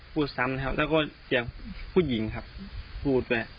พูดซ้ำครับแล้วก็เสียงผู้หญิงครับพูดด้วย